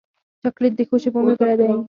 چاکلېټ د ښو شېبو ملګری دی.